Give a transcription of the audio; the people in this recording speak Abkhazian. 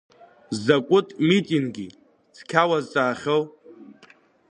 Закәытә митинги, цқьа уазҵаахьоу?